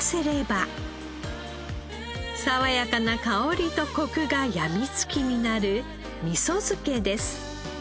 爽やかな香りとコクが病みつきになる味噌漬けです。